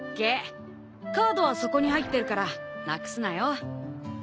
カードはそこに入ってるからなくすなよ。